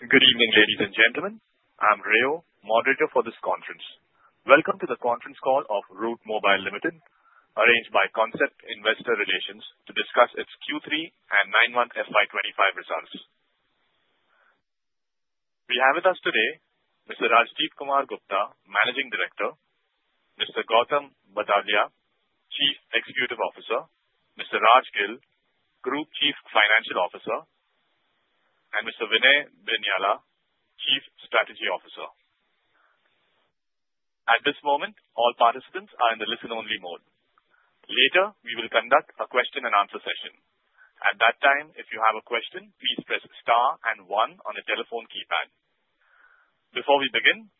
Good evening, ladies and gentlemen. I'm Rio, moderator for this conference. Welcome to the conference call of Route Mobile Limited, arranged by Concept Investor Relations, to discuss its Q3 and 9-month FY 2025 results. We have with us today Mr. Rajdipkumar Gupta, Managing Director, Mr. Gautam Badalia, Chief Executive Officer, Mr. Raj Gill, Group Chief Financial Officer, and Mr. Vinay Binyala, Chief Strategy Officer. At this moment, all participants are in the listen-only mode. Later, we will conduct a question-and-answer session. At that time, if you have a question, please press star and one on the telephone keypad. Before we begin,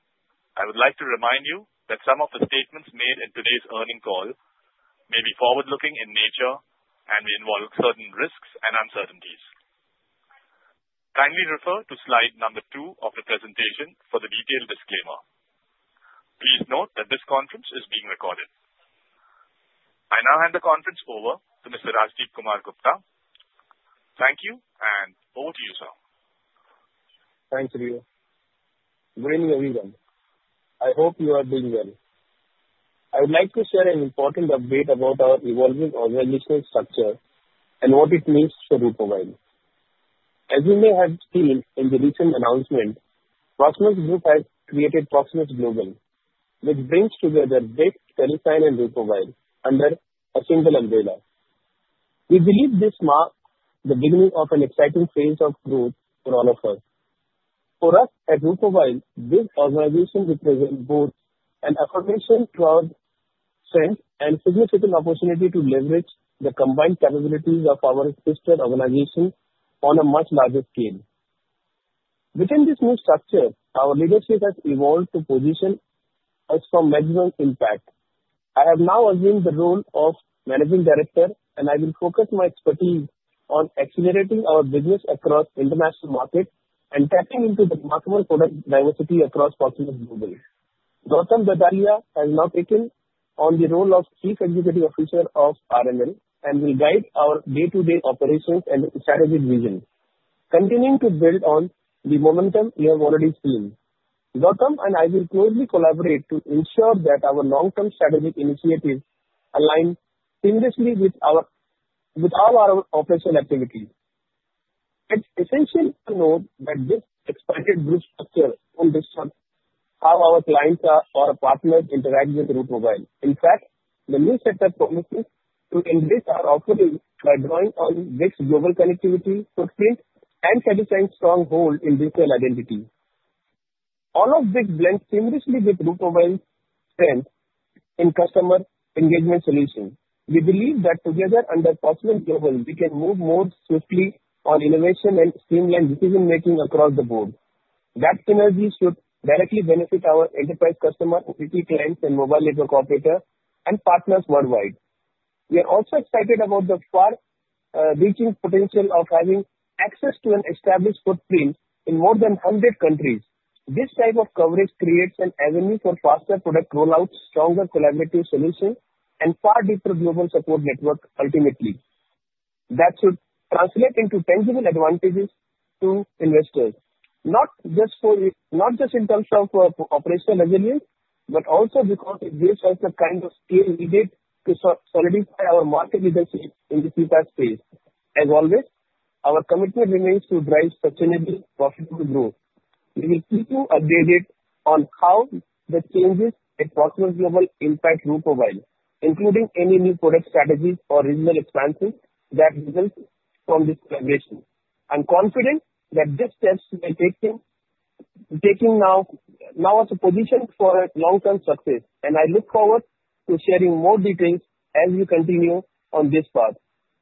I would like to remind you that some of the statements made in today's earnings call may be forward-looking in nature and may involve certain risks and uncertainties. Kindly refer to slide number two of the presentation for the detailed disclaimer. Please note that this conference is being recorded. I now hand the conference over to Mr. Rajdipkumar Gupta. Thank you, and over to you, sir. Thank you, Rio. Good evening, everyone. I hope you are doing well. I would like to share an important update about our evolving organizational structure and what it means for Route Mobile. As you may have seen in the recent announcement, Proximus Group has created Proximus Global, which brings together BICS, TeleSign, and Route Mobile under a single umbrella. We believe this marks the beginning of an exciting phase of growth for all of us. For us at Route Mobile, this organization represents both an affirmation to our strength and a significant opportunity to leverage the combined capabilities of our sister organization on a much larger scale. Within this new structure, our leadership has evolved to position us for maximum impact. I have now assumed the role of Managing Director, and I will focus my expertise on accelerating our business across international markets and tapping into the remarkable product diversity across Proximus Global. Gautam Badalia has now taken on the role of Chief Executive Officer of Route Mobile Limited and will guide our day-to-day operations and strategic vision, continuing to build on the momentum we have already seen. Gautam and I will closely collaborate to ensure that our long-term strategic initiatives align seamlessly with all our operational activities. It's essential to note that this expanded group structure on how our clients or partners interact with Route Mobile. In fact, the new setup promises to enrich our offering by drawing on BICS's global connectivity footprint and substantial stronghold in digital identity. All of this blends seamlessly with Route Mobile's strength in customer engagement solutions. We believe that together, under Proximus Global, we can move more swiftly on innovation and streamline decision-making across the board. That synergy should directly benefit our enterprise customers, OTP clients, and Mobile Network Operator and partners worldwide. We are also excited about the far-reaching potential of having access to an established footprint in more than 100 countries. This type of coverage creates an avenue for faster product rollouts, stronger collaborative solutions, and far deeper global support networks ultimately. That should translate into tangible advantages to investors, not just in terms of operational resilience, but also because it gives us the kind of skill needed to solidify our market leadership in the future space. As always, our commitment remains to drive sustainable, profitable growth. We will keep you updated on how the changes at Proximus Global impact Route Mobile, including any new product strategies or regional expansions that result from this collaboration. I'm confident that these steps we are taking now are the position for long-term success, and I look forward to sharing more details as we continue on this path.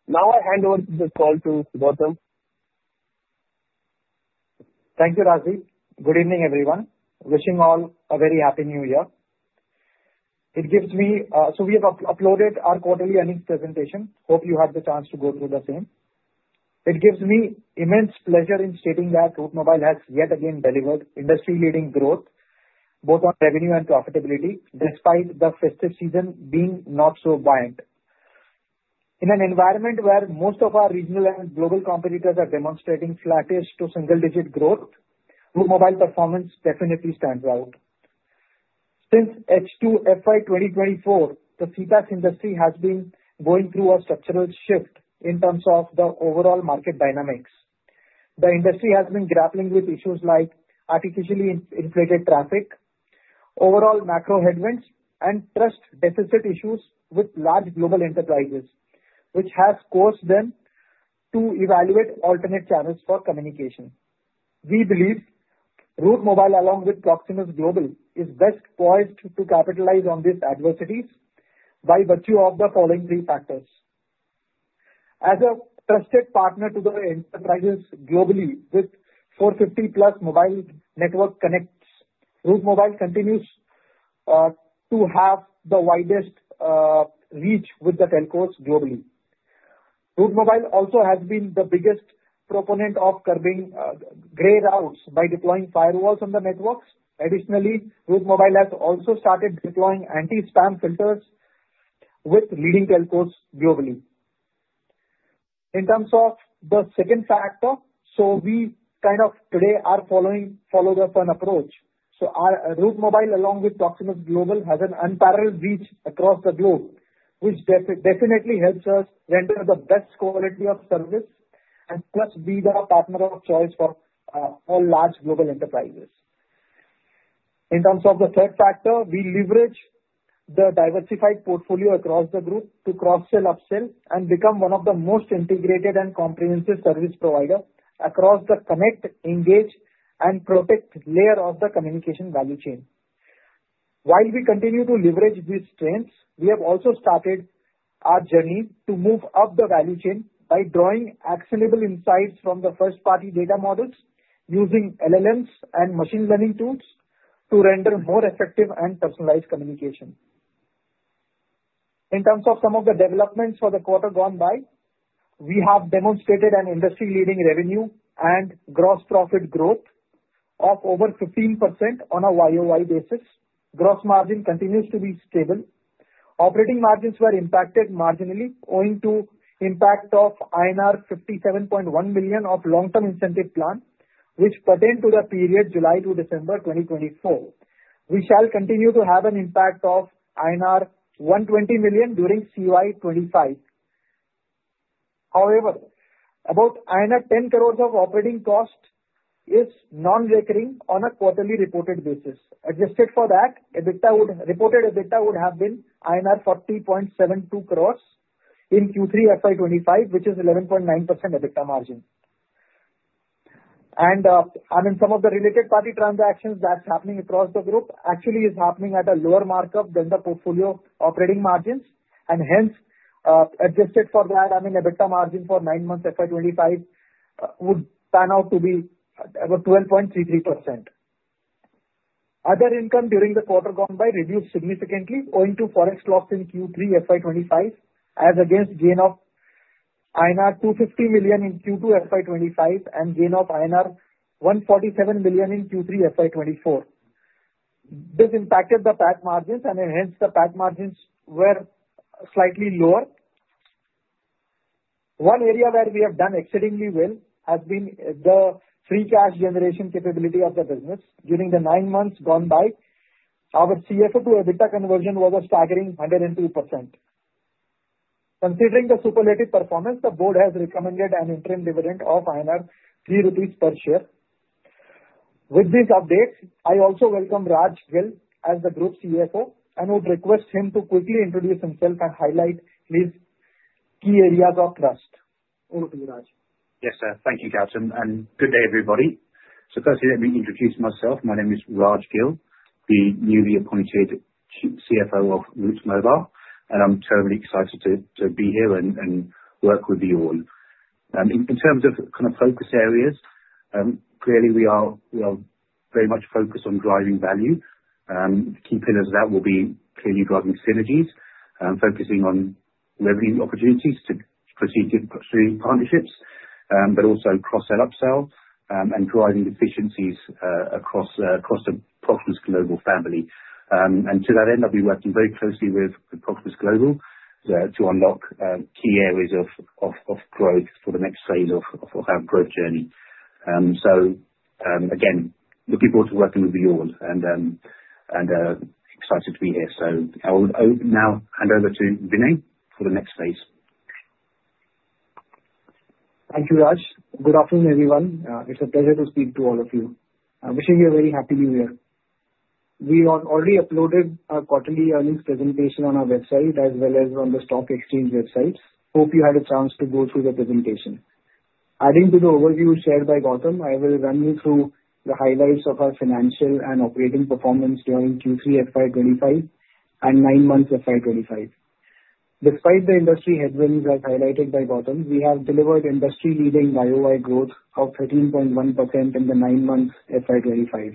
Now, I hand over the call to Gautam. Thank you, Rajdip. Good evening, everyone. Wishing all a very happy New Year. It gives me, so we have uploaded our quarterly earnings presentation. Hope you had the chance to go through the same. It gives me immense pleasure in stating that Route Mobile has yet again delivered industry-leading growth, both on revenue and profitability, despite the festive season being not so buoyant. In an environment where most of our regional and global competitors are demonstrating flattish to single-digit growth, Route Mobile performance definitely stands out. Since H2 FY 2024, the CPaaS industry has been going through a structural shift in terms of the overall market dynamics. The industry has been grappling with issues like artificially inflated traffic, overall macro headwinds, and trust deficit issues with large global enterprises, which has caused them to evaluate alternate channels for communication. We believe Route Mobile, along with Proximus Global, is best poised to capitalize on these adversities by virtue of the following three factors. As a trusted partner to the enterprises globally with 450+ mobile network connects, Route Mobile continues to have the widest reach with the telcos globally. Route Mobile also has been the biggest proponent of curbing gray routes by deploying firewalls on the networks. Additionally, Route Mobile has also started deploying anti-spam filters with leading telcos globally. In terms of the second factor, so we kind of today are following a follow-through approach. So Route Mobile, along with Proximus Global, has an unparalleled reach across the globe, which definitely helps us render the best quality of service and plus be the partner of choice for all large global enterprises. In terms of the third factor, we leverage the diversified portfolio across the group to cross-sell, upsell, and become one of the most integrated and comprehensive service providers across the connect, engage, and protect layer of the communication value chain. While we continue to leverage these strengths, we have also started our journey to move up the value chain by drawing actionable insights from the first-party data models using LLMs and machine learning tools to render more effective and personalized communication. In terms of some of the developments for the quarter gone by, we have demonstrated an industry-leading revenue and gross profit growth of over 15% on a YoY basis. Gross margin continues to be stable. Operating margins were impacted marginally, owing to the impact of INR 57.1 million of long-term incentive plan, which pertained to the period July to December 2024. We shall continue to have an impact of INR 120 million during Q1 FY 2025. However, about INR 10 crore of operating cost is non-recurring on a quarterly reported basis. Adjusted for that, reported EBITDA would have been INR 40.72 crore in Q3 FY 2025, which is 11.9% EBITDA margin. And I mean, some of the related party transactions that's happening across the group actually is happening at a lower markup than the portfolio operating margins. And hence, adjusted for that, I mean, EBITDA margin for nine months FY 2025 would pan out to be about 12.33%. Other income during the quarter gone by reduced significantly, owing to forex loss in Q3 FY 2025, as against gain of INR 250 million in Q2 FY 2025 and gain of INR 147 million in Q3 FY 2024. This impacted the PAT margins, and hence the PAT margins were slightly lower. One area where we have done exceedingly well has been the free cash generation capability of the business. During the nine months gone by, our CFO to EBITDA conversion was a staggering 102%. Considering the superlative performance, the board has recommended an interim dividend of 3 rupees per share. With these updates, I also welcome Raj Gill as the Group CFO and would request him to quickly introduce himself and highlight his key areas of trust. Over to you, Raj. Yes, sir. Thank you, Gautam. And good day, everybody. So firstly, let me introduce myself. My name is Raj Gill, the newly appointed CFO of Route Mobile, and I'm terribly excited to be here and work with you all. In terms of kind of focus areas, clearly, we are very much focused on driving value. Key pillars of that will be clearly driving synergies and focusing on revenue opportunities to proceed through partnerships, but also cross-sell, upsell, and driving efficiencies across the Proximus Global family. And to that end, I'll be working very closely with Proximus Global to unlock key areas of growth for the next phase of our growth journey. So again, looking forward to working with you all and excited to be here. So I will now hand over to Vinay for the next phase. Thank you, Raj. Good afternoon, everyone. It's a pleasure to speak to all of you. I wish you a very happy New Year. We already uploaded our quarterly earnings presentation on our website as well as on the stock exchange websites. Hope you had a chance to go through the presentation. Adding to the overview shared by Gautam, I will run you through the highlights of our financial and operating performance during Q3 FY 2025 and nine months FY 2025. Despite the industry headwinds as highlighted by Gautam, we have delivered industry-leading YoY growth of 13.1% in the nine months FY 2025.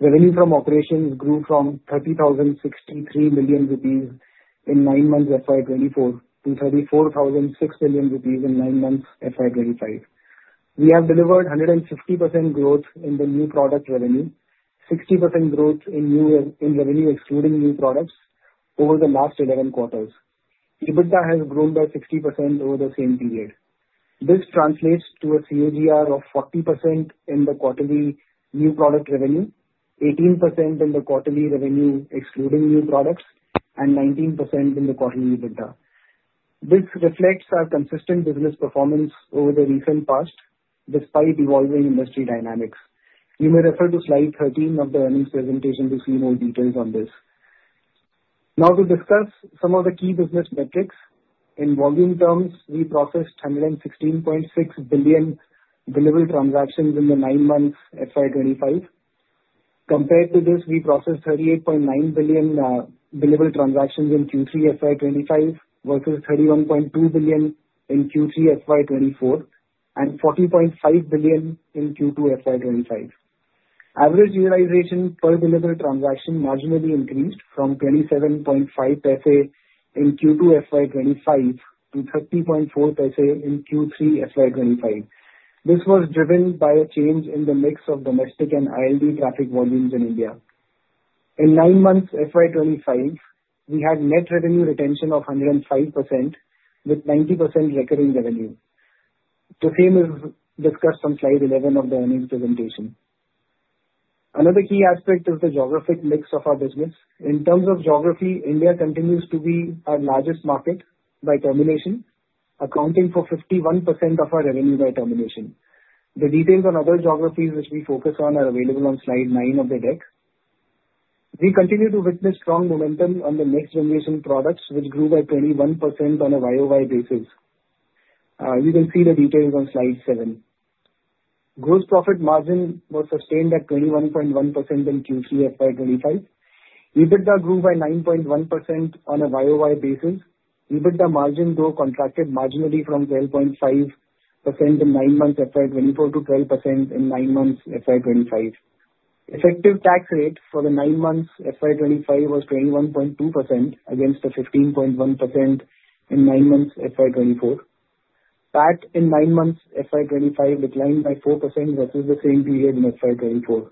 Revenue from operations grew from 30,063 million rupees in nine months FY 2024 to 34,006 million rupees in nine months FY 2025. We have delivered 150% growth in the new product revenue, 60% growth in revenue excluding new products over the last 11 quarters. EBITDA has grown by 60% over the same period. This translates to a CAGR of 40% in the quarterly new product revenue, 18% in the quarterly revenue excluding new products, and 19% in the quarterly EBITDA. This reflects our consistent business performance over the recent past despite evolving industry dynamics. You may refer to slide 13 of the earnings presentation to see more details on this. Now, to discuss some of the key business metrics. In volume terms, we processed 116.6 billion delivered transactions in the nine months FY 2025. Compared to this, we processed 38.9 billion delivered transactions in Q3 FY 2025 versus 31.2 billion in Q3 FY 2024 and 40.5 billion in Q2 FY 2025. Average utilization per delivered transaction marginally increased from 27.5% in Q2 FY 2025 to 30.4% in Q3 FY 2025. This was driven by a change in the mix of domestic and ILD traffic volumes in India. In nine months FY 2025, we had net revenue retention of 105% with 90% recurring revenue. The same is discussed on slide 11 of the earnings presentation. Another key aspect is the geographic mix of our business. In terms of geography, India continues to be our largest market by termination, accounting for 51% of our revenue by termination. The details on other geographies which we focus on are available on slide nine of the deck. We continue to witness strong momentum on the next generation products, which grew by 21% on a YoY basis. You can see the details on slide seven. Gross profit margin was sustained at 21.1% in Q3 FY 2025. EBITDA grew by 9.1% on a YoY basis. EBITDA margin, though, contracted marginally from 12.5% in nine months FY 2024 to 12% in nine months FY 2025. Effective tax rate for the nine months FY 2025 was 21.2% against the 15.1% in nine months FY 2024. PAT in nine months FY 2025 declined by 4% versus the same period in FY 2024.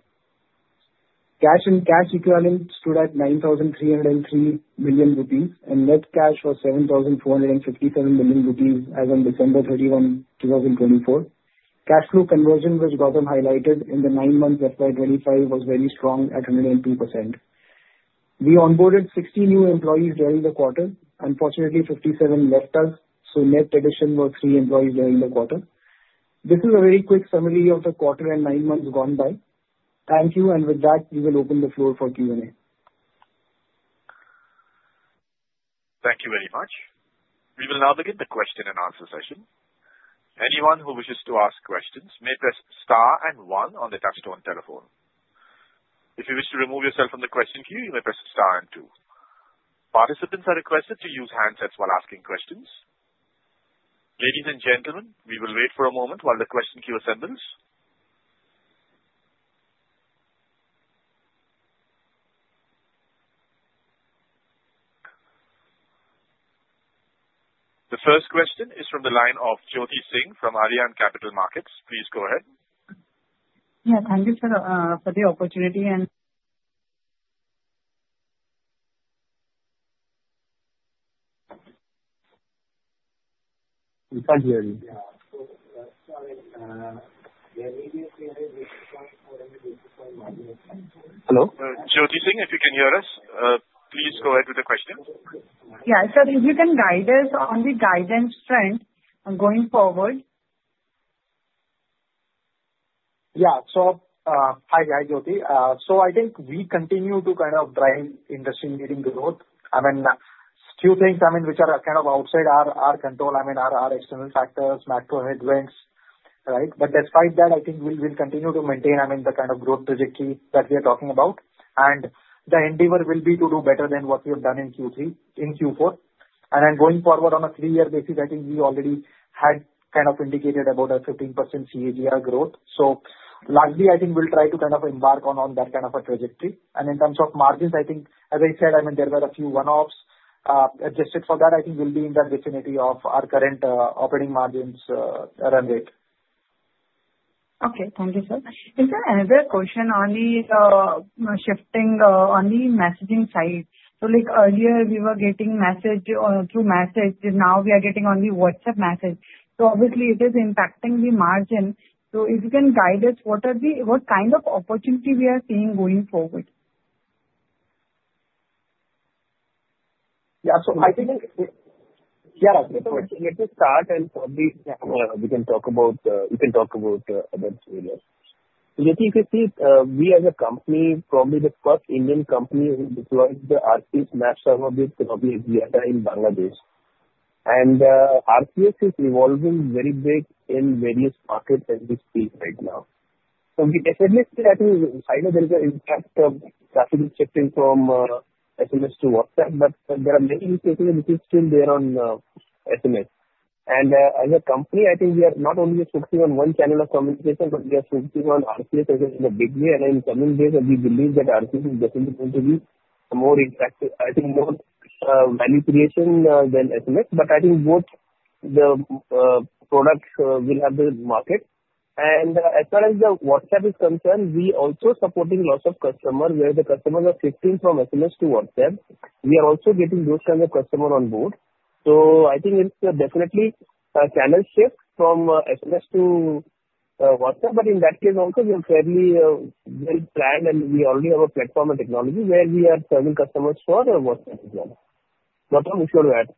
Cash and cash equivalent stood at 9,303 million rupees and net cash was 7,457 million rupees as of December 31, 2024. Cash flow conversion, which Gautam highlighted in the nine months FY 2025, was very strong at 102%. We onboarded 60 new employees during the quarter. Unfortunately, 57 left us, so net addition was three employees during the quarter. This is a very quick summary of the quarter and nine months gone by. Thank you, and with that, we will open the floor for Q&A. Thank you very much. We will now begin the question and answer session. Anyone who wishes to ask questions may press star and one on the touch-tone telephone. If you wish to remove yourself from the question queue, you may press star and two. Participants are requested to use handsets while asking questions. Ladies and gentlemen, we will wait for a moment while the question queue assembles. The first question is from the line of Jyoti Singh from Arihant Capital Markets. Please go ahead. Yeah, thank you for the opportunity and. We can't hear you. Hello? Jyoti Singh, if you can hear us, please go ahead with the question. Yeah, so if you can guide us on the guidance trend going forward? Yeah, so hi, Jyoti. So I think we continue to kind of drive industry-leading growth. I mean, a few things, I mean, which are kind of outside our control, I mean, are external factors, macro headwinds, right? But despite that, I think we'll continue to maintain, I mean, the kind of growth trajectory that we are talking about. And the endeavor will be to do better than what we have done in Q4. And then going forward on a three-year basis, I think we already had kind of indicated about a 15% CAGR growth. So largely, I think we'll try to kind of embark on that kind of a trajectory. And in terms of margins, I think, as I said, I mean, there were a few one-offs. Adjusted for that, I think we'll be in that vicinity of our current operating margins run rate. Okay, thank you, sir. Is there another question on the shifting on the messaging side? So earlier, we were getting messages through SMS. Now we are getting only WhatsApp message. So obviously, it is impacting the margin. So if you can guide us, what kind of opportunity we are seeing going forward? Yeah, so I think, yeah, let me start and probably we can talk about a bunch of areas. So if you see, we as a company, probably the first Indian company who deployed the RCS messaging server-based campaign in Bangladesh. And RCS is evolving very big in various markets as we speak right now. So we definitely see, I think, there is an impact of traffic shifting from SMS to WhatsApp, but there are many cases which are still there on SMS. And as a company, I think we are not only focusing on one channel of communication, but we are focusing on RCS as in the big way. And in coming days, we believe that RCS is definitely going to be more impacted, I think, more value creation than SMS, but I think both the products will have the market. As far as the WhatsApp is concerned, we are also supporting lots of customers where the customers are shifting from SMS to WhatsApp. We are also getting those kinds of customers on board. So I think it's definitely a channel shift from SMS to WhatsApp, but in that case, also we are fairly well-planned and we already have a platform and technology where we are serving customers for WhatsApp as well. Gautam, if you want to add.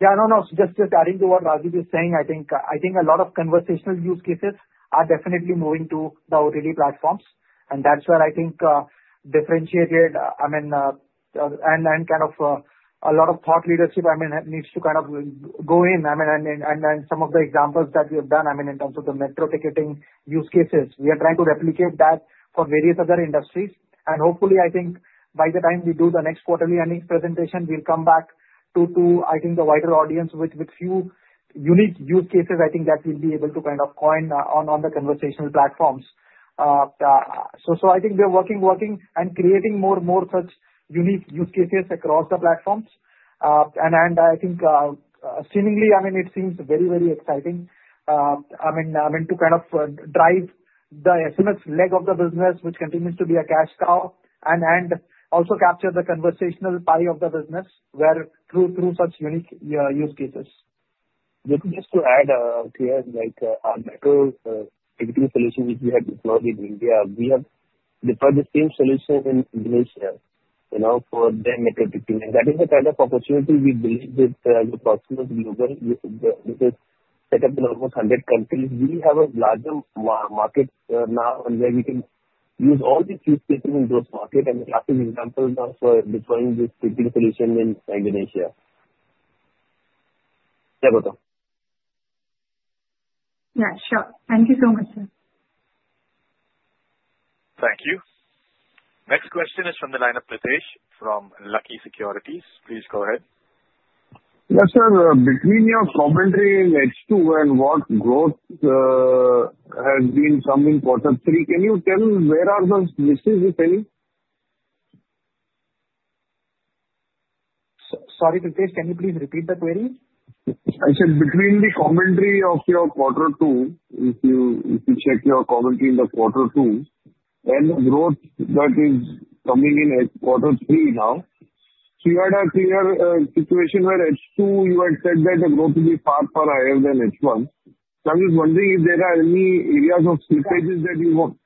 Yeah, no, no. Just adding to what Rajdip is saying, I think a lot of conversational use cases are definitely moving to the OTT platforms. And that's where I think differentiated, I mean, and kind of a lot of thought leadership, I mean, needs to kind of go in. I mean, and some of the examples that we have done, I mean, in terms of the metro ticketing use cases, we are trying to replicate that for various other industries, and hopefully, I think by the time we do the next quarterly earnings presentation, we'll come back to, I think, the wider audience with a few unique use cases. I think that we'll be able to kind of coin on the conversational platforms, so I think we are working and creating more and more such unique use cases across the platforms, and I think seemingly, I mean, it seems very, very exciting, I mean, to kind of drive the SMS leg of the business, which continues to be a cash cow, and also capture the conversational pie of the business through such unique use cases. Just to add here, like our metro ticketing solution, which we have deployed in India, we have deployed the same solution in Indonesia for the metro ticketing, and that is the kind of opportunity we believe with Proximus Global, which is set up in almost 100 countries. We have a larger market now where we can use all these use cases in those markets, and the last example for deploying this ticketing solution in Indonesia. Yeah, Gautam. Yeah, sure. Thank you so much, sir. Thank you. Next question is from the line of Pritesh from Lucky Securities. Please go ahead. Yes, sir. Between your commentary in H2 and what growth has been some important, can you tell where are those misses, Pritesh? Sorry, Pritesh, can you please repeat the query? I said between the commentary of your quarter two, if you check your commentary in the quarter two, and the growth that is coming in quarter three now, so you had a clear situation where H2, you had said that the growth would be far, far higher than H1. So I'm just wondering if there are any areas of slippages that you want.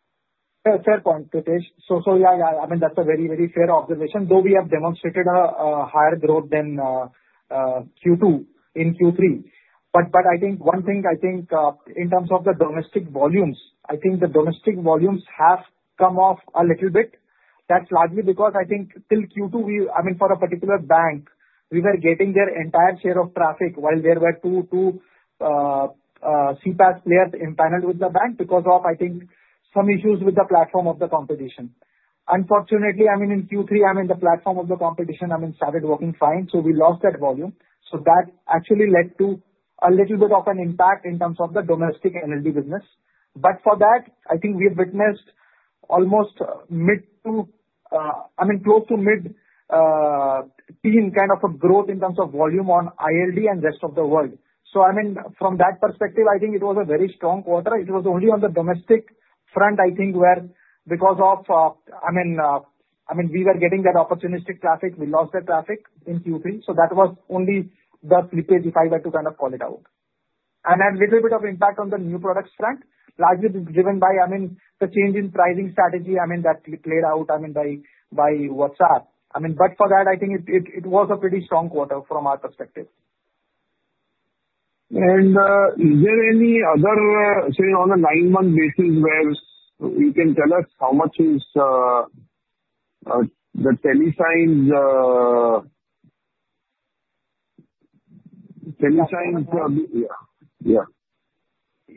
Yes, sir, Pritesh. So yeah, I mean, that's a very, very fair observation, though we have demonstrated a higher growth than Q2 in Q3. But I think one thing, I think in terms of the domestic volumes, I think the domestic volumes have come off a little bit. That's largely because I think till Q2, I mean, for a particular bank, we were getting their entire share of traffic while there were two CPaaS players in panel with the bank because of, I think, some issues with the platform of the competition. Unfortunately, I mean, in Q3, I mean, the platform of the competition, I mean, started working fine, so we lost that volume. So that actually led to a little bit of an impact in terms of the domestic NLD business. But for that, I think we have witnessed almost mid to, I mean, close to mid-teen kind of a growth in terms of volume on ILD and rest of the world. So I mean, from that perspective, I think it was a very strong quarter. It was only on the domestic front, I think, where because of, I mean, we were getting that opportunistic traffic, we lost that traffic in Q3. So that was only the slippage if I were to kind of call it out. And a little bit of impact on the new products front, largely driven by, I mean, the change in pricing strategy, I mean, that played out, I mean, by WhatsApp. I mean, but for that, I think it was a pretty strong quarter from our perspective. And is there any other, say, on a nine-month basis where you can tell us how much is the TeleSign's? Yeah.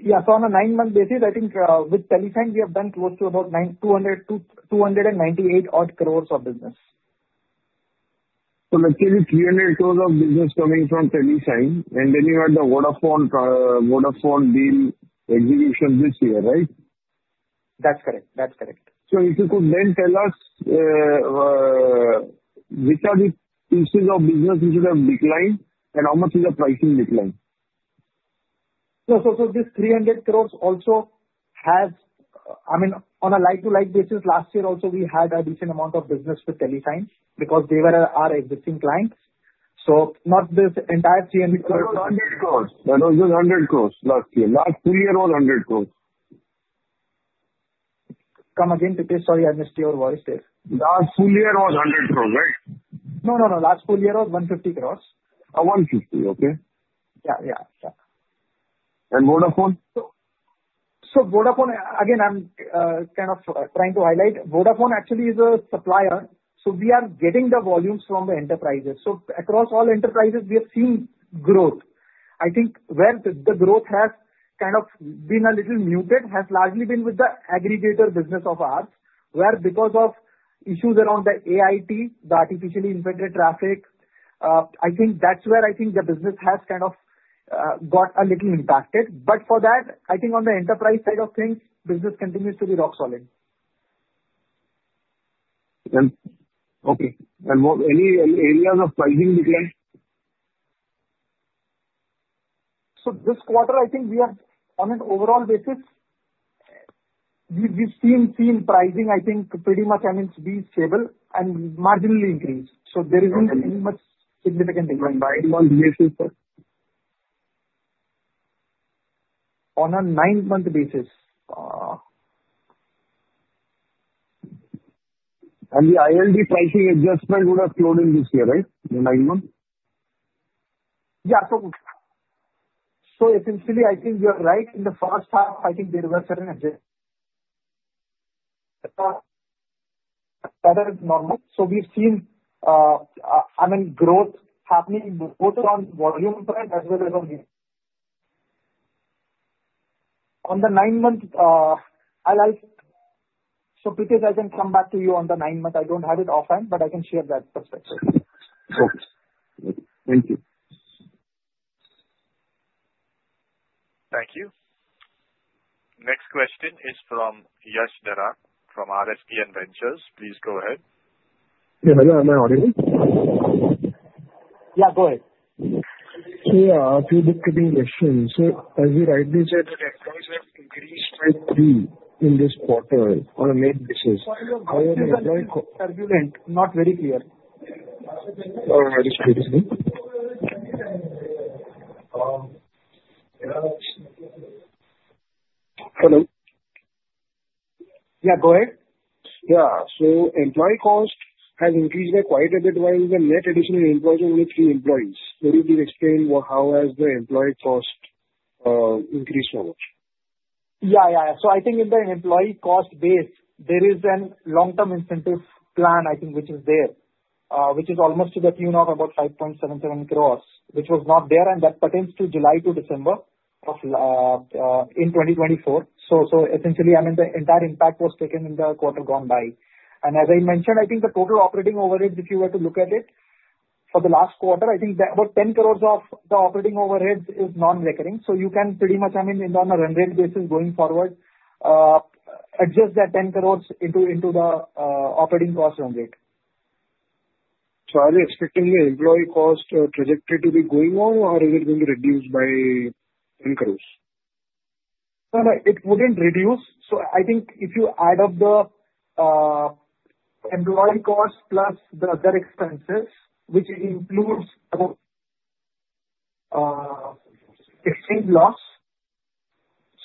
Yeah, so on a nine-month basis, I think with TeleSign, we have done close to about 298 odd crore of business. So let's say 300 crore of business coming from TeleSign, and then you had the Vodafone deal execution this year, right? That's correct. That's correct. If you could then tell us which are the pieces of business which would have declined and how much is the pricing declined? This 300 crore also has, I mean, on a like-to-like basis, last year also we had a decent amount of business with TeleSign because they were our existing clients. Not this entire INR 300 crore. It was INR 100 crore. No, it was 100 crore last year. Last full year was 100 crore. Come again, Pritesh. Sorry, I missed your voice there. Last full year was 100 crore, right? No, no, no. Last full year was 150 crore. 150 crore, okay. Yeah, yeah, yeah. And Vodafone? Vodafone, again, I'm kind of trying to highlight. Vodafone actually is a supplier. So we are getting the volumes from the enterprises. So across all enterprises, we have seen growth. I think where the growth has kind of been a little muted has largely been with the aggregator business of ours, where because of issues around the AIT, the artificially inflated traffic, I think that's where I think the business has kind of got a little impacted. But for that, I think on the enterprise side of things, business continues to be rock solid. Okay. And any areas of pricing decline? So this quarter, I think we have on an overall basis, we've seen pricing, I think, pretty much, I mean, be stable and marginally increased. So there isn't any much significant increase. On a nine-month basis, sir? On a nine-month basis. The ILD pricing adjustment would have flowed in this year, right? In nine months? Yeah. So essentially, I think you're right. In the first half, I think there was certain adjustment. That is normal. So we've seen, I mean, growth happening both on volume front as well as on. On the nine-month, I'll ask. So Pritesh, I can come back to you on the nine-month. I don't have it offhand, but I can share that perspective. Okay. Thank you. Thank you. Next question is from Yash Darak from RSPN Ventures. Please go ahead. Yeah, hello. Am I audible? Yeah, go ahead. So, a few disrupting questions. So as you rightly said, the employees have increased by three in this quarter on a net basis. How are the employee? Turbulent. Not very clear. Oh, very clear. Hello. Yeah, go ahead. Yeah. Employee cost has increased by quite a bit while the net additional employees are only three employees. Could you please explain how has the employee cost increased so much? Yeah, yeah, yeah. So I think in the employee cost base, there is a long-term incentive plan, I think, which is there, which is almost to the tune of about 5.77 crore, which was not there, and that pertains to July to December in 2024. So essentially, I mean, the entire impact was taken in the quarter gone by. And as I mentioned, I think the total operating overhead, if you were to look at it for the last quarter, I think about 10 crore of the operating overhead is non-recurring. So you can pretty much, I mean, on a run rate basis going forward, adjust that 10 crore into the operating cost run rate. Are you expecting the employee cost trajectory to be going on, or is it going to reduce by 10 crore? No, no. It wouldn't reduce. So I think if you add up the employee cost plus the other expenses, which includes about exchange loss,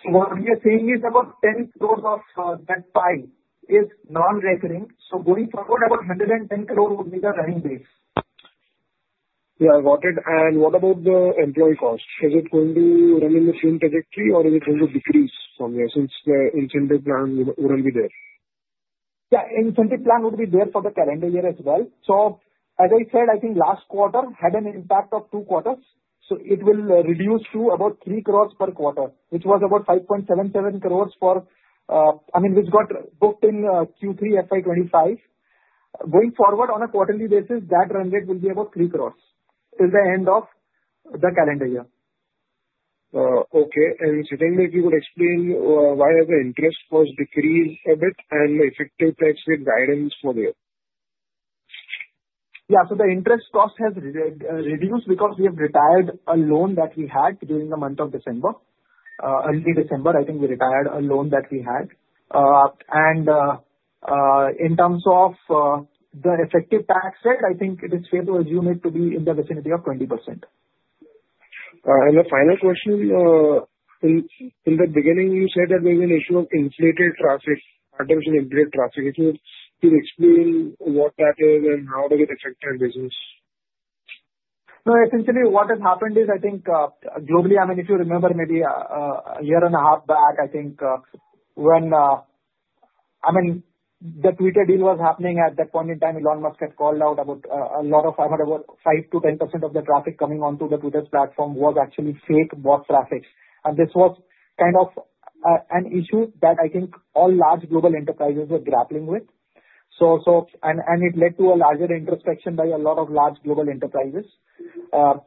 so what we are seeing is about 10 crore of that pie is non-recurring. So going forward, about 110 crore would be the running base. Yeah, got it. And what about the employee cost? Is it going to run in the same trajectory, or is it going to decrease from there since the incentive plan will be there? Yeah, incentive plan would be there for the calendar year as well. So as I said, I think last quarter had an impact of two quarters. So it will reduce to about three crore per quarter, which was about 5.77 crore for, I mean, which got booked in Q3 FY 2025. Going forward, on a quarterly basis, that run rate will be about three crore till the end of the calendar year. Okay. And secondly, if you could explain why the interest cost decreased a bit and the Effective Tax Rate guidance for there? Yeah. So the interest cost has reduced because we have retired a loan that we had during the month of December, early December. I think we retired a loan that we had. And in terms of the Effective Tax Rate, I think it is fair to assume it to be in the vicinity of 20%. The final question, in the beginning, you said that there's an issue of inflated traffic, artificially inflated traffic. If you could explain what that is and how does it affect your business? No, essentially what has happened is, I think globally, I mean, if you remember maybe a year and a half back, I think when, I mean, the Twitter deal was happening at that point in time, Elon Musk had called out about a lot of, I mean, about 5%-10% of the traffic coming onto the Twitter platform was actually fake bot traffic. And this was kind of an issue that I think all large global enterprises were grappling with. And it led to a larger introspection by a lot of large global enterprises.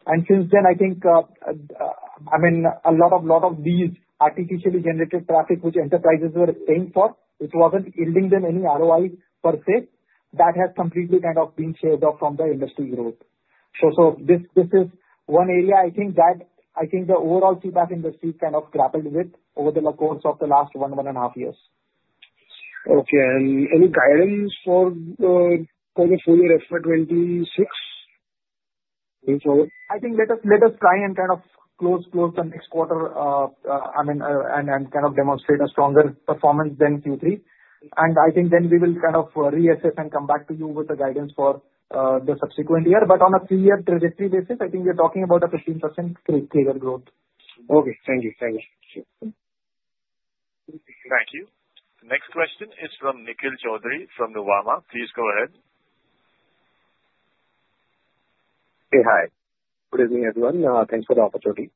And since then, I think, I mean, a lot of these artificially generated traffic, which enterprises were paying for, which wasn't yielding them any ROI per se, that has completely kind of been shaved off from the industry growth. This is one area, I think, that I think the overall CPaaS industry kind of grappled with over the course of the last one and a half years. Okay, and any guidance for the full year FY26 going forward? I think let us try and kind of close the next quarter, I mean, and kind of demonstrate a stronger performance than Q3, and I think then we will kind of reassess and come back to you with the guidance for the subsequent year, but on a three-year trajectory basis, I think we're talking about a 15% CAGR. Okay. Thank you. Thank you. Thank you. Next question is from Nikhil Choudhary from Nuvama. Please go ahead. Hey, hi. Good evening, everyone. Thanks for the opportunity.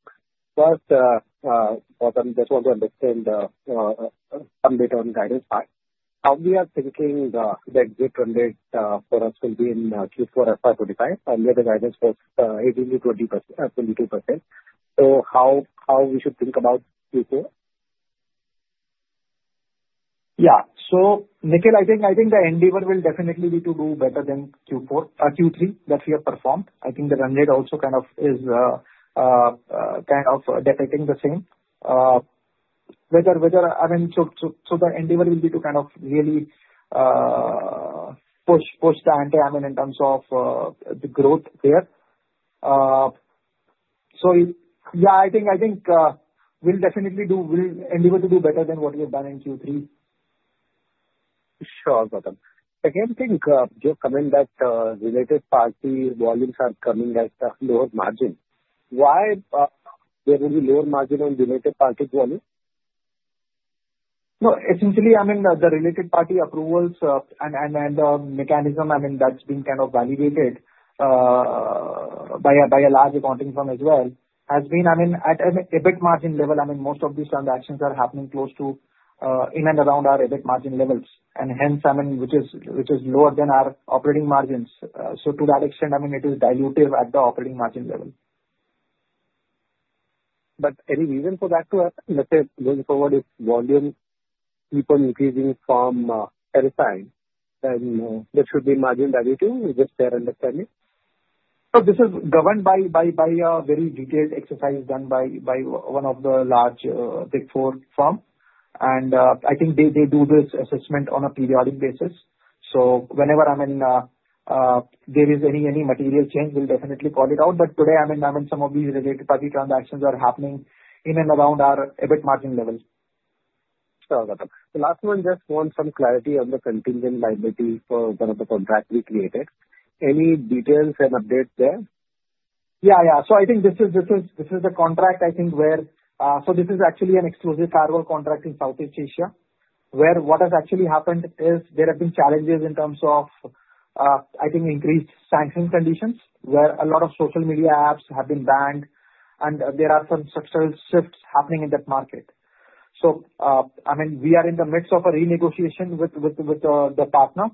First, I just want to understand some data on guidance. How we are thinking the exit run rate for us will be in Q4 FY 2025, and the guidance was 18%-22%. So how we should think about Q4? Yeah. So Nikhil, I think the NLD will definitely need to do better than Q3 that we have performed. I think the run rate also kind of is kind of reflecting the same. I mean, so the NLD will need to kind of really up the ante, I mean, in terms of the growth there. So yeah, I think we'll definitely need the NLD to do better than what we have done in Q3. Sure, Gautam. Again, I think your comment that related party volumes are coming at a lower margin. Why there will be lower margin on related party volume? Essentially, I mean, the related party approvals and the mechanism, I mean, that's been kind of validated by a large accounting firm as well, has been, I mean, at an EBIT margin level. I mean, most of these transactions are happening close to in and around our EBIT margin levels, and hence, I mean, which is lower than our operating margins, so to that extent, I mean, it is dilutive at the operating margin level. But any reason for that to happen? Let's say going forward, if volume people increasing from TeleSign, then that should be margin dilutive. Is this their understanding? So this is governed by a very detailed exercise done by one of the large Big Four firms. And I think they do this assessment on a periodic basis. So whenever, I mean, there is any material change, we'll definitely call it out. But today, I mean, some of these related party transactions are happening in and around our EBIT margin level. Sure, Gautam. The last one, just want some clarity on the contingent liability for one of the contracts we created. Any details and updates there? Yeah, yeah. So I think this is a contract, I think, where so this is actually an exclusive firewall contract in Southeast Asia, where what has actually happened is there have been challenges in terms of, I think, increased sanction conditions, where a lot of social media apps have been banned, and there are some structural shifts happening in that market. So I mean, we are in the midst of a renegotiation with the partner,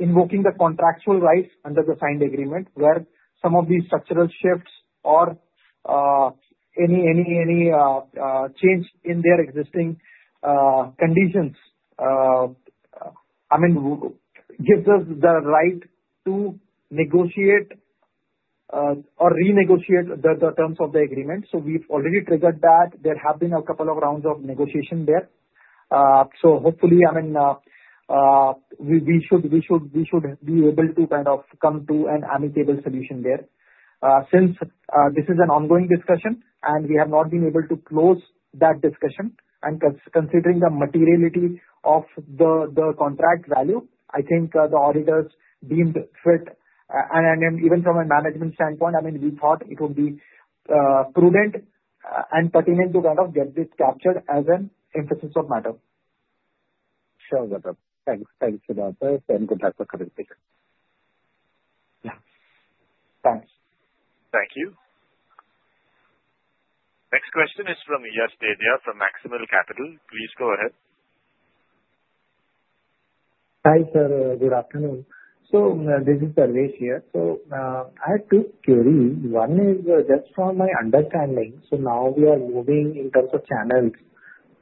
invoking the contractual rights under the signed agreement, where some of these structural shifts or any change in their existing conditions, I mean, gives us the right to negotiate or renegotiate the terms of the agreement. So we've already triggered that. There have been a couple of rounds of negotiation there. So hopefully, I mean, we should be able to kind of come to an amicable solution there. Since this is an ongoing discussion, and we have not been able to close that discussion, and considering the materiality of the contract value, I think the auditors deemed fit, and even from a management standpoint, I mean, we thought it would be prudent and pertinent to kind of get this captured as an emphasis of matter. Sure, Gautam. Thanks, Gautam. And good luck for coming together. Yeah. Thanks. Thank you. Next question is from Yash Dedhia from Maximal Capital. Please go ahead. Hi, sir. Good afternoon. So this is Sarvesh here. So I had two queries. One is just from my understanding. So now we are moving in terms of channels,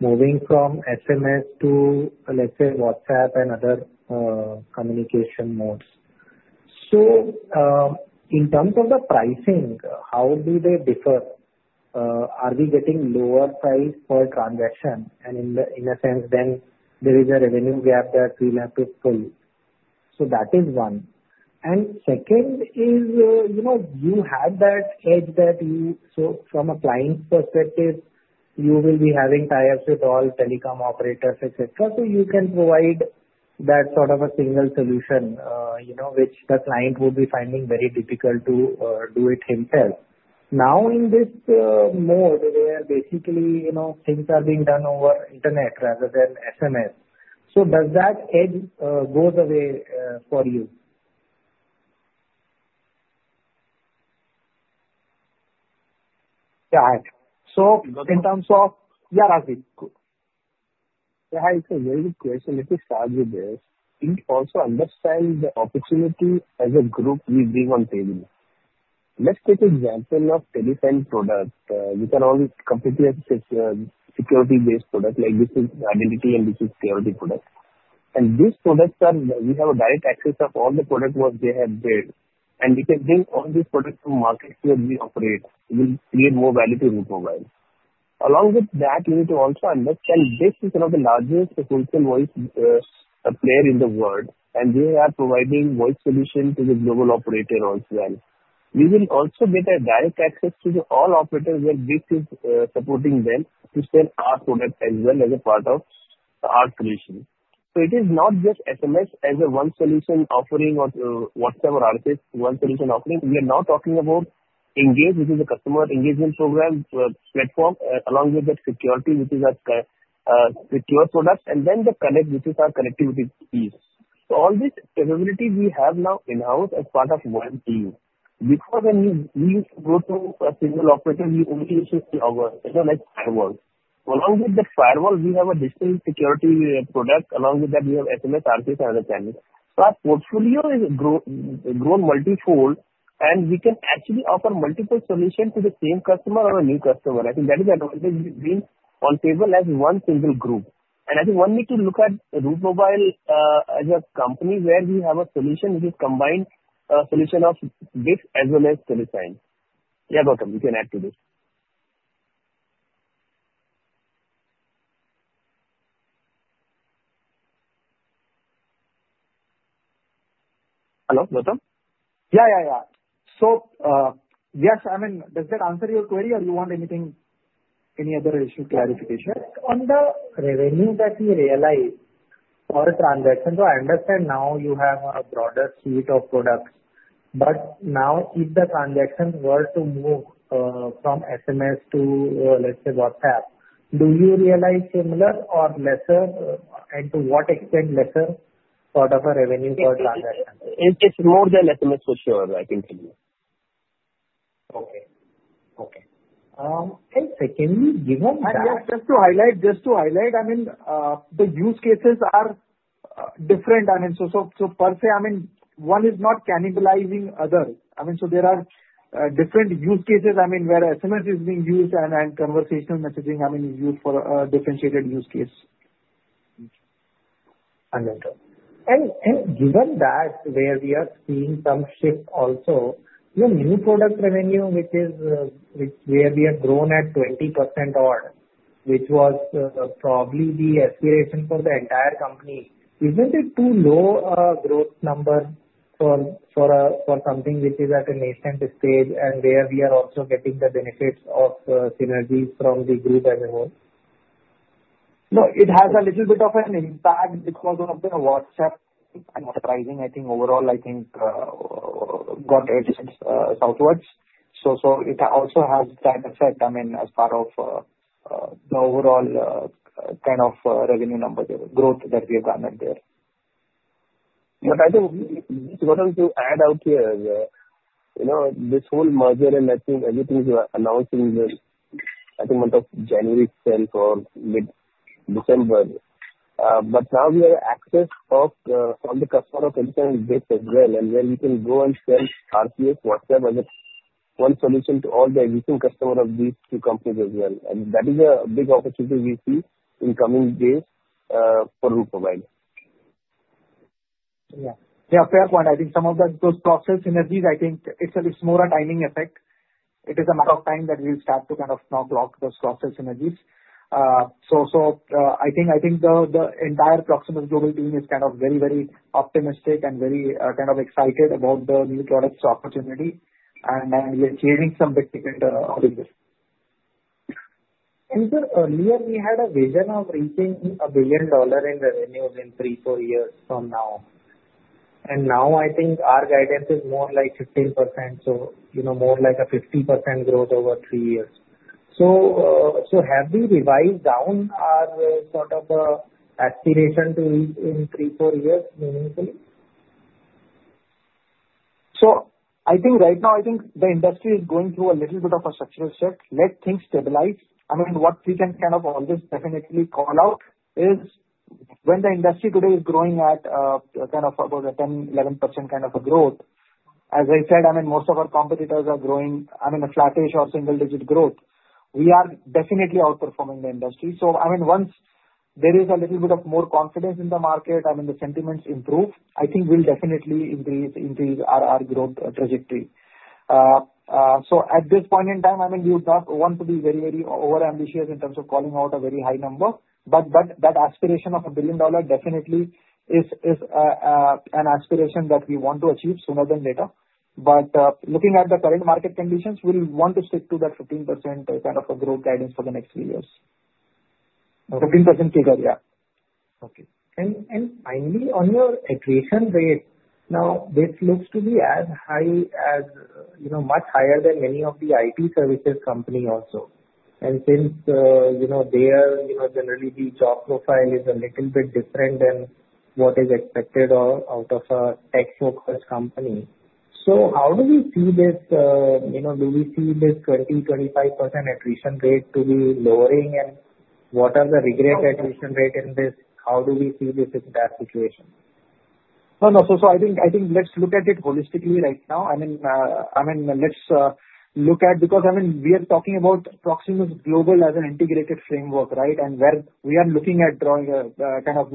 moving from SMS to, let's say, WhatsApp and other communication modes. So in terms of the pricing, how do they differ? Are we getting lower price per transaction? And in a sense, then there is a revenue gap that we'll have to fill. So that is one. And second is you had that edge that you so from a client perspective, you will be having ties with all telecom operators, etc. So you can provide that sort of a single solution, which the client will be finding very difficult to do it himself. Now in this mode, where basically things are being done over internet rather than SMS, so does that edge go away for you? Yeah, so in terms of. Yeah, Rajeev. Yeah, it's a very good question. Let me start with this. We also understand the opportunity as a group we bring on the table. Let's take an example of TeleSign product. We can all completely security-based product. Like this is liability and this is security product. And these products are we have a direct access of all the product what they have built. And we can bring all these products to market where we operate. We will create more value to Route Mobile. Along with that, we need to also understand this is one of the largest wholesale voice players in the world, and they are providing voice solutions to the global operator as well. We will also get a direct access to all operators where this is supporting them to sell our product as well as a part of our solution. So it is not just SMS as a one-solution offering or WhatsApp or RCS one-solution offering. We are now talking about Engage, which is a customer engagement program platform, along with that Security, which is a secure product, and then the Connect, which is our connectivity piece. So all these capabilities we have now in-house as part of one team. Before, when we used to go to a single operator, we only used to sell our next firewall. Along with the firewall, we have a digital security product. Along with that, we have SMS, RCS, and other channels. So our portfolio has grown multi-fold, and we can actually offer multiple solutions to the same customer or a new customer. I think that is the advantage being on the table as one single group. And I think one need to look at Route Mobile as a company where we have a solution, which is a combined solution of BICS as well as TeleSign. Yeah, Gautam, you can add to this. Hello, Gautam? Yeah, yeah, yeah. So yes, I mean, does that answer your query, or do you want anything, any other issue clarification? Yes. On the revenue that we realize per transaction, so I understand now you have a broader suite of products. But now if the transactions were to move from SMS to, let's say, WhatsApp, do you realize similar or lesser, and to what extent lesser sort of a revenue per transaction? It's more than SMS for sure. I can tell you. Okay. And secondly, given that. Just to highlight, I mean, the use cases are different. I mean, so per se, I mean, one is not cannibalizing others. I mean, so there are different use cases, I mean, where SMS is being used and conversational messaging, I mean, is used for a differentiated use case. And given that, where we are seeing some shift also, the new product revenue, which is where we have grown at 20% odd, which was probably the aspiration for the entire company, isn't it too low a growth number for something which is at a nascent stage and where we are also getting the benefits of synergies from the group as a whole? No, it has a little bit of an impact because of the WhatsApp advertising, I think. Overall, I think got edged southwards, so it also has that effect, I mean, as part of the overall kind of revenue number growth that we have garnered there. But I think what I want to add out here is this whole merger, and I think everything you are announcing is, I think, month of January itself or mid-December. But now we have access of all the customers of BICS as well, and then we can go and sell RCS, WhatsApp as one solution to all the existing customers of these two companies as well. And that is a big opportunity we see in coming days for Route Mobile. Yeah. Yeah, fair point. I think some of those Proximus synergies, I think it's more a timing effect. It is a matter of time that we will start to kind of unlock those Proximus synergies. So I think the entire Proximus Global team is kind of very, very optimistic and very kind of excited about the new product opportunity, and we are creating some big-ticket audiences. And sir, earlier we had a vision of reaching $1 billion in revenue in three, four years from now. And now I think our guidance is more like 15%, so more like a 50% growth over three years. So have we revised down our sort of aspiration to reach in three, four years meaningfully? So I think right now, I think the industry is going through a little bit of a structural shift. Let things stabilize. I mean, what we can kind of always definitely call out is when the industry today is growing at kind of about 10-11% kind of a growth, as I said, I mean, most of our competitors are growing, I mean, a flattish or single-digit growth. We are definitely outperforming the industry. So I mean, once there is a little bit of more confidence in the market, I mean, the sentiments improve, I think we'll definitely increase our growth trajectory. So at this point in time, I mean, we would not want to be very, very overambitious in terms of calling out a very high number. But that aspiration of a $1 billion definitely is an aspiration that we want to achieve sooner than later. But looking at the current market conditions, we'll want to stick to that 15% kind of a growth guidance for the next few years. 15% figure, yeah. Okay. And finally, on your attrition rate, now BICS looks to be as high, much higher than many of the IT services companies also. And since there, generally, the job profile is a little bit different than what is expected out of a tech-focused company. So how do we see this? Do we see this 20%-25% attrition rate to be lowering? And what is the target attrition rate in this? How do we see this in that situation? No, no. So I think let's look at it holistically right now. I mean, let's look at because, I mean, we are talking about Proximus Group as an integrated framework, right? And where we are looking at drawing kind of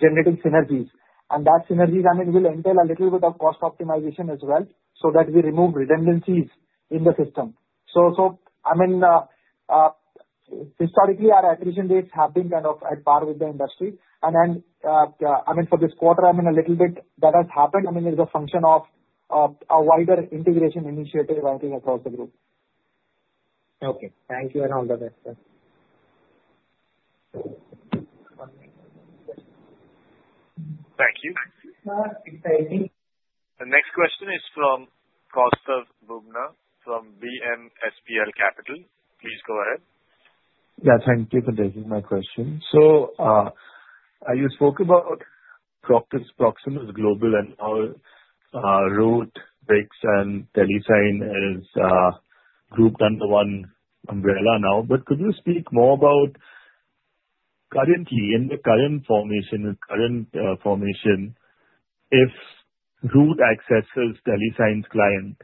generating synergies. And that synergy, I mean, will entail a little bit of cost optimization as well so that we remove redundancies in the system. So I mean, historically, our attrition rates have been kind of at par with the industry. And I mean, for this quarter, I mean, a little bit that has happened, I mean, is a function of a wider integration initiative, I think, across the group. Okay. Thank you and all the best, sir. Thank you. The next question is from Kaustav Bubna from BMSPL Capital. Please go ahead. Yeah, thank you for taking my question. So you spoke about Proximus Global and how Route, BICS, and TeleSign is grouped under one umbrella now. But could you speak more about currently in the current formation, if Route accesses TeleSign's client,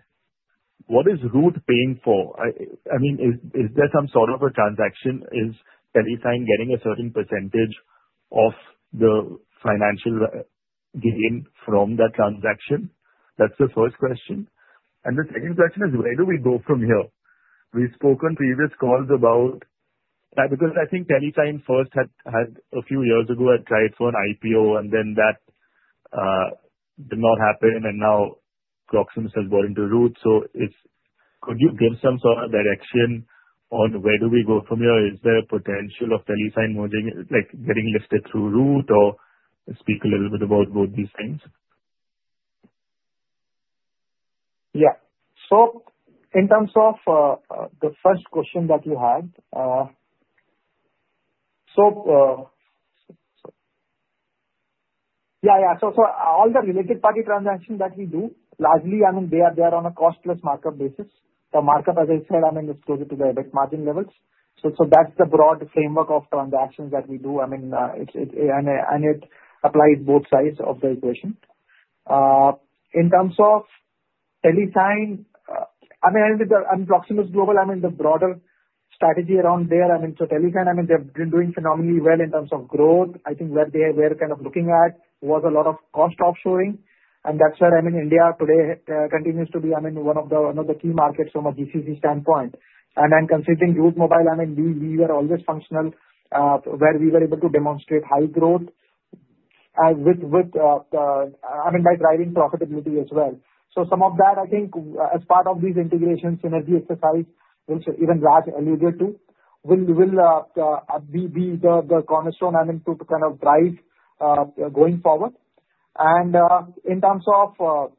what is Route paying for? I mean, is there some sort of a transaction? Is TeleSign getting a certain percentage of the financial gain from that transaction? That's the first question, and the second question is, where do we go from here? We've spoken previous calls about because I think TeleSign first had a few years ago tried for an IPO, and then that did not happen, and now Proximus has gone into Route. So could you give some sort of direction on where do we go from here? Is there a potential of TeleSign getting listed through Route, or speak a little bit about both these things? Yeah. So in terms of the first question that you had, so yeah, yeah. So all the related party transactions that we do, largely, I mean, they are on a cost-plus markup basis. The markup, as I said, I mean, is closer to the EBIT margin levels. So that's the broad framework of transactions that we do. I mean, and it applies both sides of the equation. In terms of TeleSign, I mean, and Proximus Global, I mean, the broader strategy around there, I mean, so TeleSign, I mean, they've been doing phenomenally well in terms of growth. I think where they were kind of looking at was a lot of cost offshoring. And that's where, I mean, India today continues to be, I mean, one of the key markets from a GCC standpoint. And then, considering Route Mobile, I mean, we were always functional where we were able to demonstrate high growth with, I mean, by driving profitability as well. So some of that, I think, as part of these integration synergy exercises, which even Raj alluded to, will be the cornerstone, I mean, to kind of drive going forward. And in terms of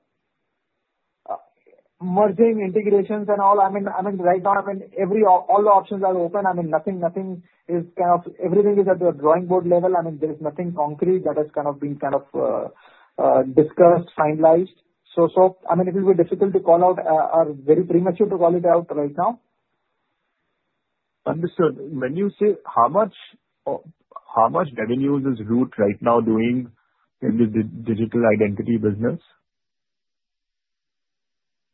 merging integrations and all, I mean, right now, I mean, all the options are open. I mean, everything is at the drawing board level. I mean, there is nothing concrete that has kind of been discussed, finalized. So I mean, it will be difficult to call out or very premature to call it out right now. Understood. When you say how much revenues is Route right now doing in the digital identity business?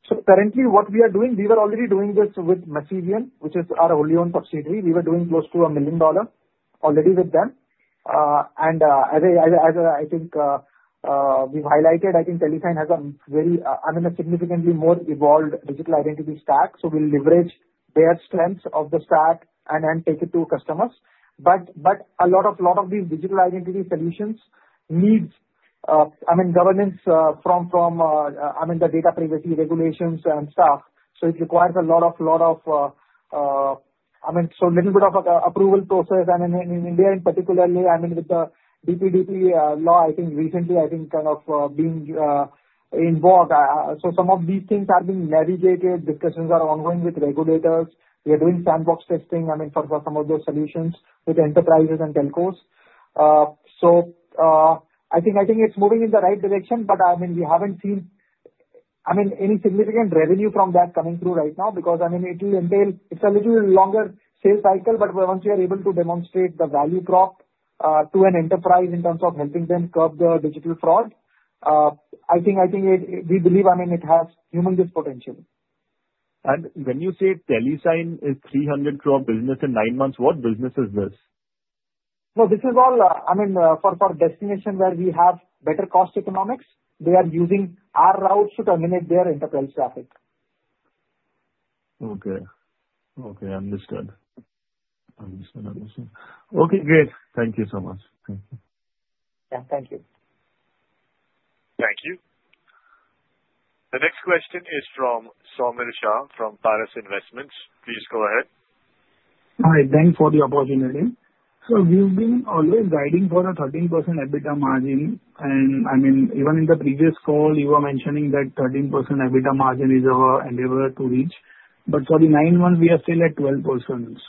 So currently, what we are doing, we were already doing this with Masivian, which is our only owned subsidiary. We were doing close to $1 million already with them. And as I think we've highlighted, I think TeleSign has a very, I mean, a significantly more evolved digital identity stack. So we'll leverage their strengths of the stack and take it to customers. But a lot of these digital identity solutions needs, I mean, governance from, I mean, the data privacy regulations and stuff. So it requires a lot of, I mean, so a little bit of approval process. And in India, in particular, I mean, with the DPDP law, I think recently, I think, kind of being in vogue. So some of these things are being navigated. Discussions are ongoing with regulators. We are doing sandbox testing, I mean, for some of those solutions with enterprises and telcos. So I think it's moving in the right direction. But I mean, we haven't seen, I mean, any significant revenue from that coming through right now because, I mean, it will entail, it's a little longer sales cycle. But once we are able to demonstrate the value prop to an enterprise in terms of helping them curb the digital fraud, I think we believe, I mean, it has huge potential. When you say TeleSign is 300 crore business in nine months, what business is this? No, this is all. I mean, for destinations where we have better cost economics. They are using our route to terminate their enterprise traffic. Okay. Understood. Great. Thank you so much. Thank you. Yeah. Thank you. Thank you. The next question is from Saumil Shah from Paras Investments. Please go ahead. Hi. Thanks for the opportunity. So we've been always guiding for a 13% EBITDA margin. And I mean, even in the previous call, you were mentioning that 13% EBITDA margin is our endeavor to reach. But for the nine months, we are still at 12%.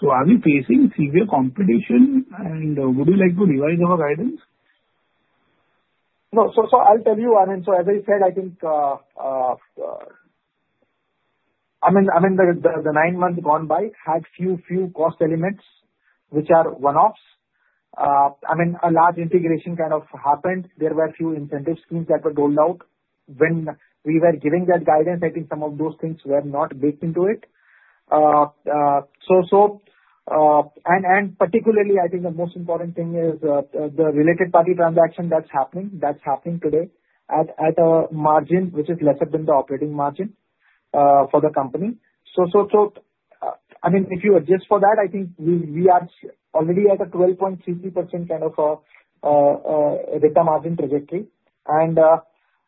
So are we facing severe competition? And would you like to revise our guidance? No. So I'll tell you, I mean, so as I said, I think, I mean, the nine months gone by had few cost elements, which are one-offs. I mean, a large integration kind of happened. There were a few incentive schemes that were rolled out. When we were giving that guidance, I think some of those things were not baked into it. And particularly, I think the most important thing is the related party transaction that's happening. That's happening today at a margin which is lesser than the operating margin for the company. So I mean, if you adjust for that, I think we are already at a 12.33% kind of EBITDA margin trajectory. And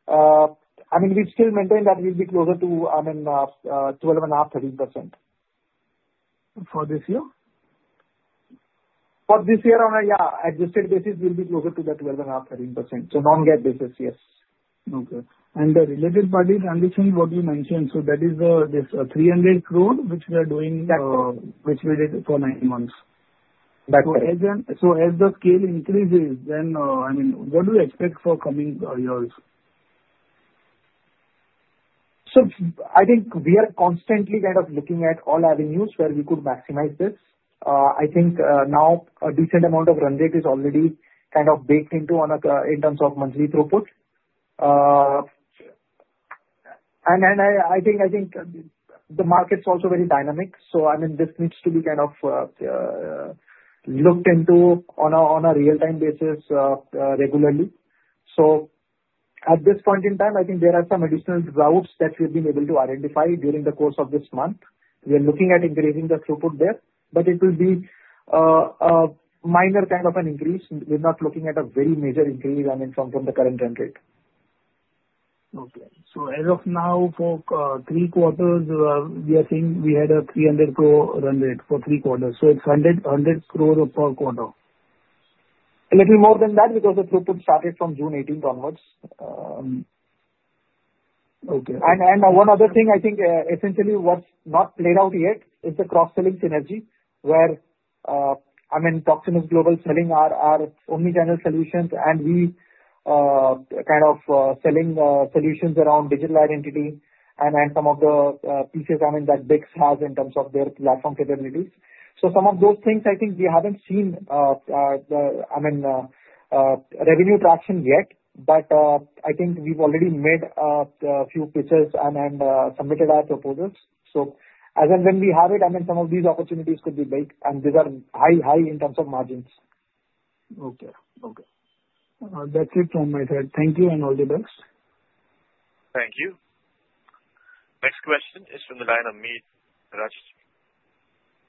I mean, we still maintain that we'll be closer to, I mean, 12.5%-13%. For this year? For this year, on a adjusted basis, we'll be closer to the 12.5%-13%. So non-GAAP basis, yes. Okay. And the related party transaction, what you mentioned, so that is this 300 crore, which we are doing. That's correct. Which we did for nine months. That's correct. So as the scale increases, then I mean, what do you expect for coming years? So I think we are constantly kind of looking at all avenues where we could maximize this. I think now a decent amount of run rate is already kind of baked into in terms of monthly throughput. And I think the market's also very dynamic. So I mean, this needs to be kind of looked into on a real-time basis regularly. So at this point in time, I think there are some additional routes that we've been able to identify during the course of this month. We are looking at increasing the throughput there. But it will be a minor kind of an increase. We're not looking at a very major increase, I mean, from the current run rate. Okay. So, as of now, for three quarters, we are seeing we had a 300 crore run rate for three quarters. So, it's 100 crore per quarter. A little more than that because the throughput started from June 18th onwards. Okay. One other thing, I think essentially what's not played out yet is the cross-selling synergy where, I mean, Proximus Group is selling our omnichannel solutions, and we kind of selling solutions around digital identity and some of the pieces, I mean, that BICS has in terms of their platform capabilities. So some of those things, I think we haven't seen, I mean, revenue traction yet. But I think we've already made a few pitches and submitted our proposals. So as and when we have it, I mean, some of these opportunities could be baked, and these are high, high in terms of margins. Okay. Okay. That's it from my side. Thank you and all the best. Thank you. Next question is from the line of Meet Rachchh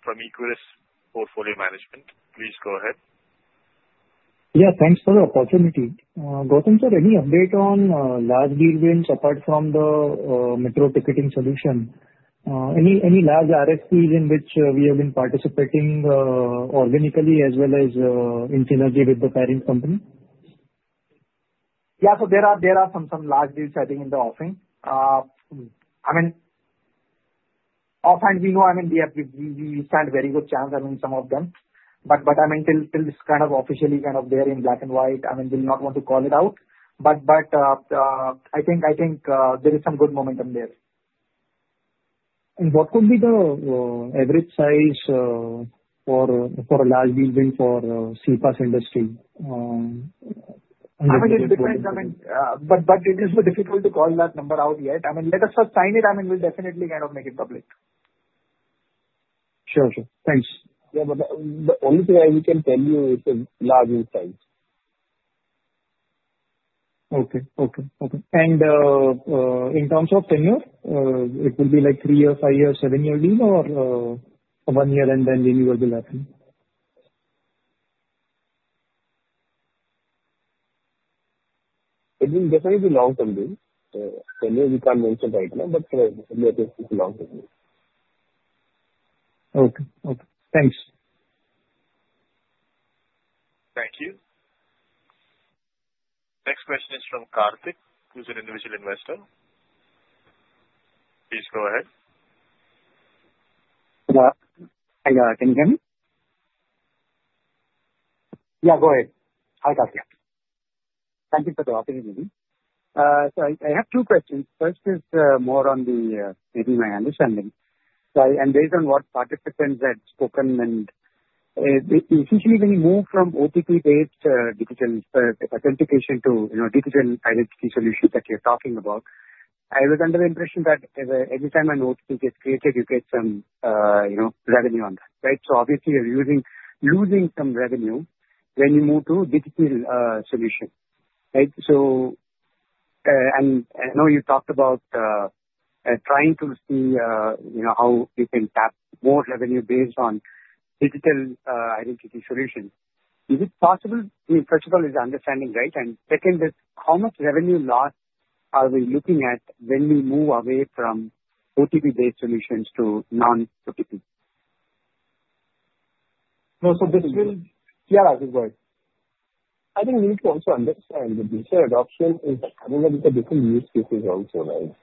from Equirus Portfolio Management. Please go ahead. Yeah. Thanks for the opportunity. Gautam sir, any update on large deal wins apart from the metro ticketing solution? Any large RFPs in which we have been participating organically as well as in synergy with the parent company? Yeah. So there are some large deals I think in the offering. I mean, offhand, we know, I mean, we stand very good chance, I mean, some of them. But I mean, till it's kind of officially kind of there in black and white, I mean, we'll not want to call it out. But I think there is some good momentum there. What could be the average size for a large deal win for CPaaS Industry? I mean, it depends. I mean, but it is difficult to call that number out yet. I mean, let us first sign it. I mean, we'll definitely kind of make it public. Sure. Sure. Thanks. Yeah. But the only thing I can tell you is the large win size. Okay. In terms of tenure, it will be like three years, five years, seven-year deal, or one year and then renewal will happen? It will definitely be long-term deal. Tenure, we can't mention right now, but it will be a long-term deal. Okay. Okay. Thanks. Thank you. Next question is from Karthik, who's an individual investor. Please go ahead. Hi. Can you hear me? Yeah. Go ahead. I'll talk. Yeah. Thank you for the opportunity. So I have two questions. First is more on. Maybe my understanding. And based on what participants had spoken, and essentially when you move from OTP-based digital authentication to digital identity solutions that you're talking about, I was under the impression that every time a notebook is created, you get some revenue on that, right? So obviously, you're losing some revenue when you move to digital solutions, right? And I know you talked about trying to see how you can tap more revenue based on digital identity solutions. Is it possible? I mean, first of all, is the understanding right? And second is, how much revenue loss are we looking at when we move away from OTP-based solutions to non-OTP? No, so this will. Yeah. Yeah. I think we need to also understand that this adoption is having a different use cases also, right?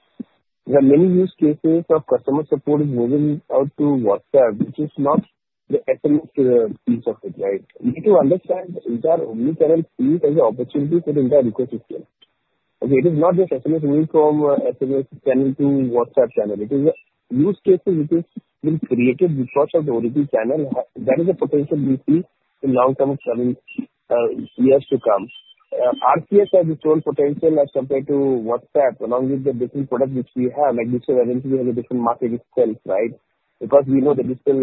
There are many use cases of customer support moving out to WhatsApp, which is not the SMS piece of it, right? We need to understand the entire omnichannel piece as an opportunity for the entire ecosystem. Okay? It is not just SMS going from SMS channel to WhatsApp channel. It is a use case which is being created because of the OTP channel. That is a potential we see in long-term coming years to come. RCS has its own potential as compared to WhatsApp, along with the different products which we have. Like digital identity, we have a different market itself, right? Because we know the digital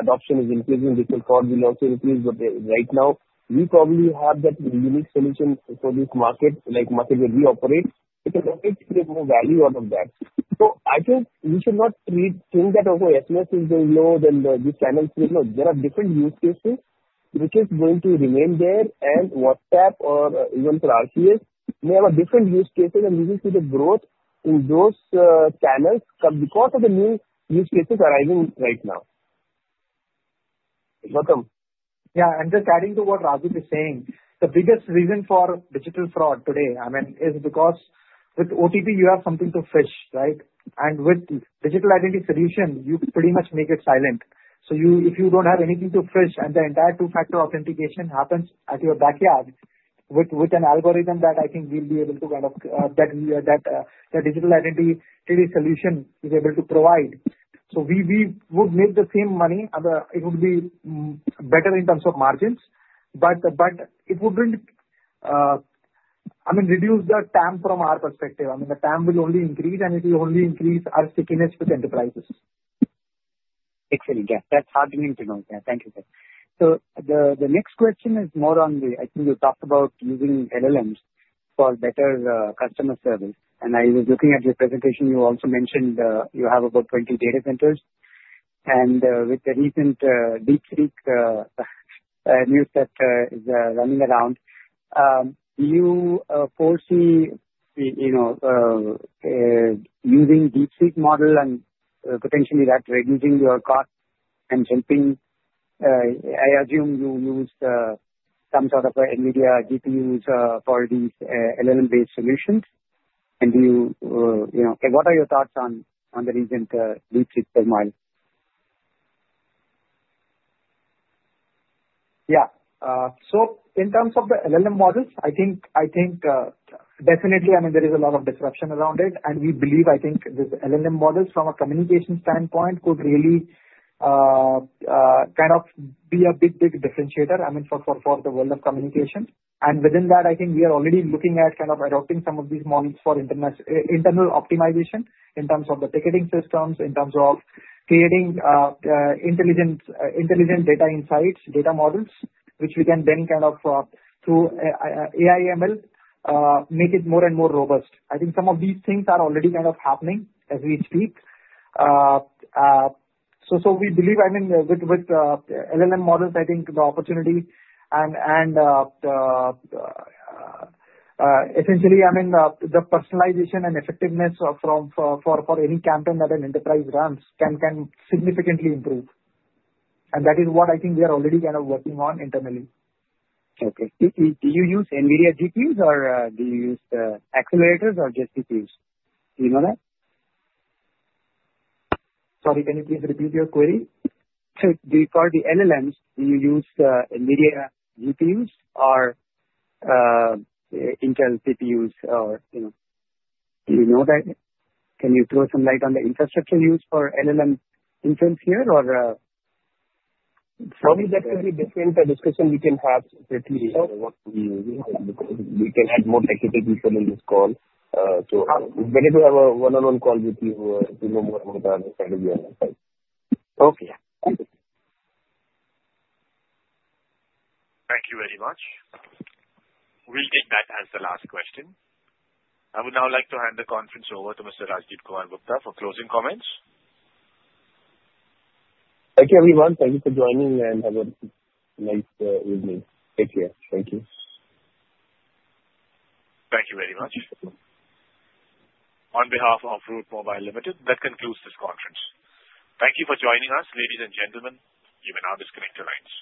adoption is increasing. Digital fraud will also increase. But right now, we probably have that unique solution for this market, like market where we operate. We can definitely create more value out of that. So I think we should not think that, "Oh, SMS is lower than these channels will." No. There are different use cases which is going to remain there. And WhatsApp or even for RCS may have different use cases. And we will see the growth in those channels because of the new use cases arriving right now. Gautam? Yeah, and just adding to what Rajdip is saying, the biggest reason for digital fraud today, I mean, is because with OTP, you have something to phish, right? And with digital identity solution, you pretty much make it silent. So if you don't have anything to phish and the entire two-factor authentication happens at your backyard with an algorithm that I think we'll be able to kind of that digital identity solution is able to provide. So we would make the same money. It would be better in terms of margins. But it wouldn't, I mean, reduce the TAM from our perspective. I mean, the TAM will only increase, and it will only increase our stickiness with enterprises. Excellent. Yeah. That's heartening to know. Yeah. Thank you, sir. So the next question is more on the. I think you talked about using LLMs for better customer service. And I was looking at your presentation. You also mentioned you have about 20 data centers. And with the recent DeepSeek news that is running around, do you foresee using DeepSeek model and potentially that reducing your cost and helping? I assume you use some sort of NVIDIA GPUs for these LLM-based solutions. And what are your thoughts on the recent DeepSeek turmoil? Yeah. So in terms of the LLM models, I think definitely, I mean, there is a lot of disruption around it. And we believe, I think, this LLM models from a communication standpoint could really kind of be a big, big differentiator, I mean, for the world of communication. And within that, I think we are already looking at kind of adopting some of these models for internal optimization in terms of the ticketing systems, in terms of creating intelligent data insights, data models, which we can then kind of through AI/ML make it more and more robust. I think some of these things are already kind of happening as we speak. So we believe, I mean, with LLM models, I think the opportunity and essentially, I mean, the personalization and effectiveness for any campaign that an enterprise runs can significantly improve. That is what I think we are already kind of working on internally. Okay. Do you use NVIDIA GPUs, or do you use accelerators, or just CPUs? Do you know that? Sorry. Can you please repeat your query? So do you call the LLMs? Do you use NVIDIA GPUs or Intel CPUs? Or do you know that? Can you throw some light on the infrastructure use for LLM inference here, or? Probably that will be different discussion we can have with you. We can add more technical detail in this call. So whenever we have a one-on-one call with you, we'll know more about the strategy on that side. Okay. Thank you. Thank you very much. We'll take that as the last question. I would now like to hand the conference over to Mr. Rajdipkumar Gupta for closing comments. Thank you, everyone. Thank you for joining, and have a nice evening. Take care. Thank you. Thank you very much. On behalf of Route Mobile Limited, that concludes this conference. Thank you for joining us, ladies and gentlemen. You may now disconnect the lines.